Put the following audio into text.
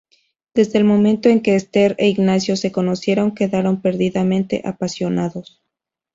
Desde el momento en que Ester e Ignacio se conocieron quedaron perdidamente apasionados.